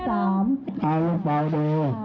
ตัวแรกเลข๐